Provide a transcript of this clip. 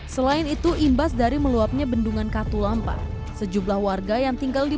selain itu imbas dari meluapnya bendungan katulampa sejumlah warga yang tinggal di